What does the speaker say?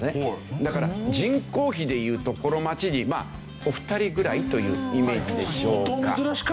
だから人口比でいうとこの街にまあお二人ぐらいというイメージでしょうか。